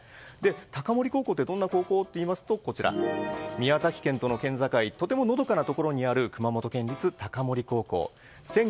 高森高校ってどんな高校かといいますと宮崎県との県境とてものどかなところにある熊本県立高森高校。